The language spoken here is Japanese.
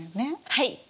はい。